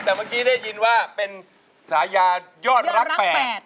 แต่เมื่อกี้ได้ยินว่าเป็นสายายอดรักแปลก